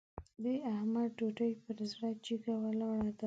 د احمد ډوډۍ پر زړه جګه ولاړه ده.